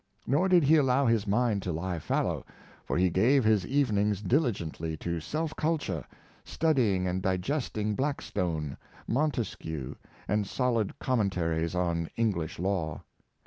Nor did he allow his mind to lie fallow, for he gave his evenings dilligently to self Buxton's Determination, 293 culture, studying and digesting Blackstone, Montes quieu, and solid commentaries on English law.